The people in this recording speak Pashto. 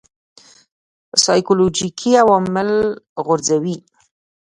سایکولوژیکي عوامل غورځوي.